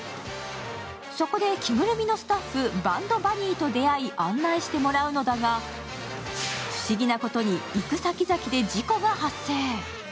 そこで着ぐるみのスタッフ、バンドバニーと出会い案内してもらうのだが不思議なことに、行く先々で事故が発生。